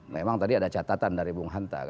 memang tadi ada catatan dari bung hanta